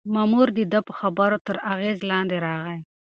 مامور د ده د خبرو تر اغېز لاندې راغی.